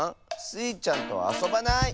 スイちゃんとはあそばない！